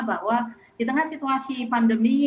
bahwa di tengah situasi pandemi